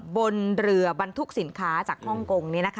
บนเรือบรรทุกสินค้าจากฮ่องกง